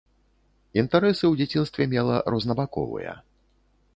Інтарэсы ў дзяцінстве мела рознабаковыя.